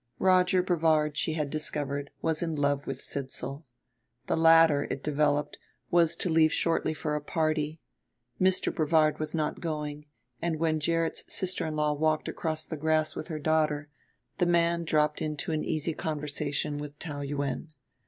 Roger Brevard, she had discovered, was in love with Sidsall. The latter, it developed, was to leave shortly for a party; Mr. Brevard was not going; and, when Gerrit's sister in law walked across the grass with her daughter the man dropped into an easy conversation with Taou Yuen.